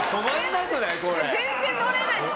全然のれないです！